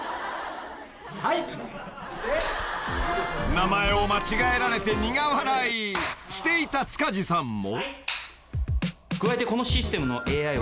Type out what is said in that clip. ［名前を間違えられて苦笑いしていた塚地さんも］